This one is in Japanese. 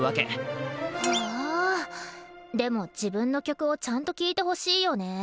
はぁでも自分の曲をちゃんと聴いてほしいよね。